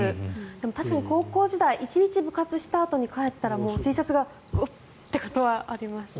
でも、確かに高校時代１日部活したあとに帰ったらＴシャツがウッってことはありました。